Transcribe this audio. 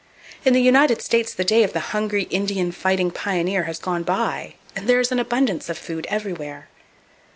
In the United States the day of the hungry Indian fighting pioneer has gone by and there is an abundance of food everywhere.